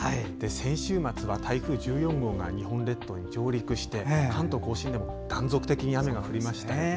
先週末は台風１４号が日本列島に上陸して関東・甲信でも断続的に雨が降りましたよね。